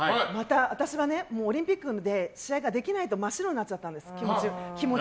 私はオリンピックで試合がもうできないと気持ちが真っ白になっちゃったんです。